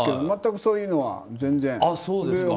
全くそういうのは全然。